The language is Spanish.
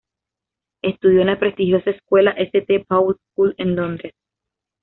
Estudió en la prestigiosa escuela St Paul's School en Londres.